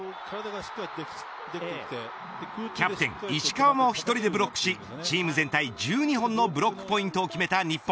キャプテン石川も１人でブロックしチーム全体、１２本のブロックポイントを決めた日本。